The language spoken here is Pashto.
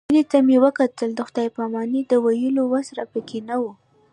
مينې ته مې وکتل د خداى پاماني د ويلو وس راکښې نه و.